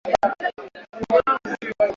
Matumizi ya madume katika kuzalisha